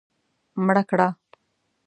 مړه کړه